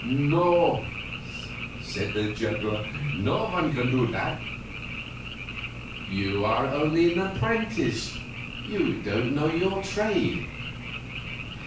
"No," said the juggler; "no one can do that." "You are only an apprentice; you don't know your trade.